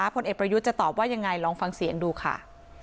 ผลเอกประยุทธ์จะตอบว่ายังไงลองฟังเสียงดูค่ะ